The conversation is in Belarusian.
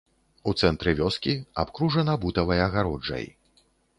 У цэнтры вёскі, абкружана бутавай агароджай.